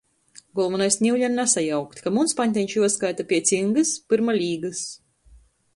Golvonais niule ir nasajaukt, ka muns paņteņš juoskaita piec Ingys, pyrma Līgys.